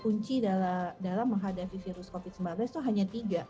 kunci dalam menghadapi virus covid sembilan belas itu hanya tiga